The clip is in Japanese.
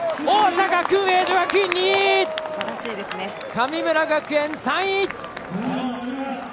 神村学園、３位！